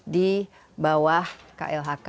di bawah klhk